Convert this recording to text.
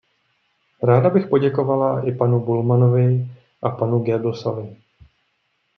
Ráda bych poděkovala i panu Bullmannovi a panu Goebbelsovi.